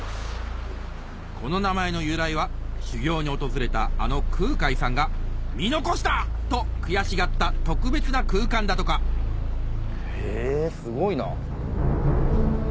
この名前の由来は修行に訪れたあの空海さんが「見残した！」と悔しがった特別な空間だとかへぇすごいな。